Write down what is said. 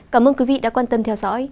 cảm ơn quý vị đã quan tâm theo dõi